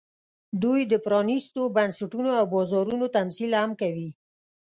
دوی د پرانېستو بنسټونو او بازارونو تمثیل هم کوي